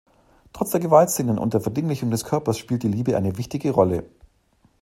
Trotz der Gewaltszenen und der Verdinglichung des Körpers spielt die Liebe eine wichtige Rolle.